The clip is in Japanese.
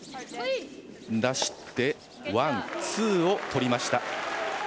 出してワン、ツーを取りました。